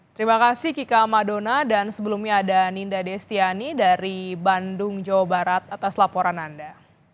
terima kasih kika madona dan sebelumnya ada ninda destiani dari bandung jawa barat atas laporan anda